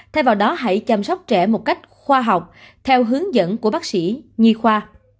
thay vào đó hãy chăm sóc trẻ một cách khoa học theo hướng dẫn của bác sĩ nhi khoa